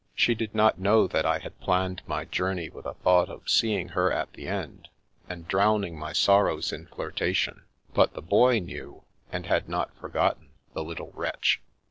She did not know that I had planned my journey with a thought of seeing her at the end, and drown ing my sorrows in flirtation ; but the Boy knew, and had not forgotten — ^the little wretch.